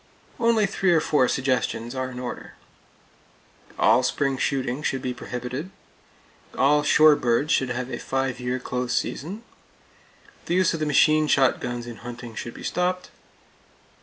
Only three or four suggestions are in order: All spring shooting should be prohibited. All shore birds should have a five year close season. The use of the machine shotguns in hunting should be stopped.